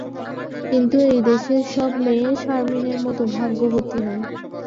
কিন্তু এ দেশের সব মেয়ে শারমিনের মতো ভাগ্যবতী নয়।